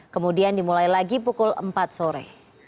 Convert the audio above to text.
kemudian dimulai lagi pukul empat sore